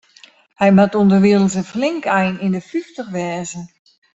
Hy moat ûnderwilens in flink ein yn de fyftich wêze.